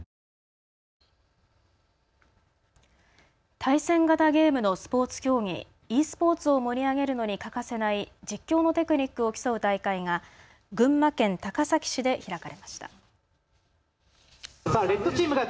対戦型ゲームのスポーツ競技、ｅスポーツを盛り上げるのに欠かせない実況のテクニックを競う大会が群馬県高崎市で開かれました。